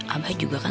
abah juga kan